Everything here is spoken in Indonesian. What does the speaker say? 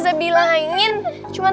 ustazah balik ke kelas ya